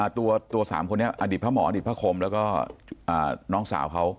ตัว๓คนนี้อดีตพระหมออดีตพระคมแล้วก็น้องสาวเขา